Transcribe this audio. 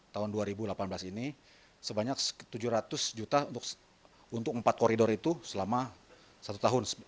tahun dua ribu delapan belas ini sebanyak tujuh ratus juta untuk empat koridor itu selama satu tahun